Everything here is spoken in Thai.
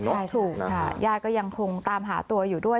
ใช่ค่ะยายก็ยังคงเองแบบหาตัวอยู่ด้วย